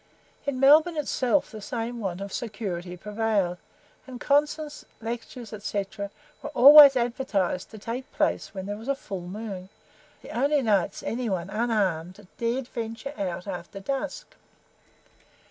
In Melbourne itself the same want of security prevailed, and concerts, lectures, &c., were always advertised to take place when there was a full moon, the only nights any one, unarmed, dared venture, out after dusk.